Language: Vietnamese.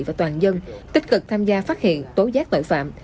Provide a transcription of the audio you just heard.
và toàn dân tích cực tham gia phát hiện tố giác tội phạm